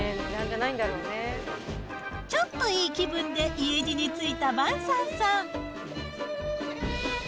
ちょっといい気分で家路についたヴァンサンさん。